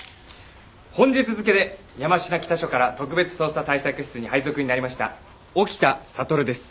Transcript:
本日付で山科北署から特別捜査対策室に配属になりました沖田悟です。